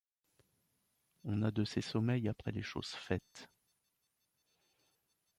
On a de ces sommeils après les choses faites.